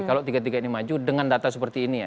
kalau ketiga tiga ini maju dengan data seperti ini